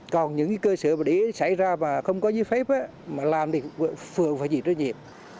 còn những cơ sở mà để xảy ra mà không có giới phép mà làm thì phường phải dịch vụ nhiệm